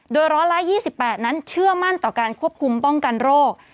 โดย๑๒๘นั้นเชื่อมั่นต่อการควบคุมป้องกันโรค